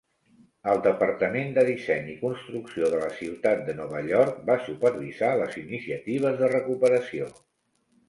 El departament de disseny i construcció de la ciutat de Nova York va supervisar les iniciatives de recuperació.